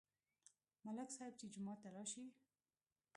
ملک صاحب چې جومات ته راشي،